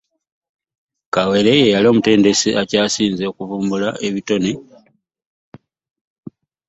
Kawere ye yali omutendesi akyasinze okuvumbula ebitone mu bikonde.